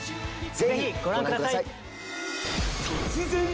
ぜひご覧ください。